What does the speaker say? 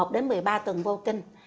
một mươi một đến một mươi ba tuần vô kinh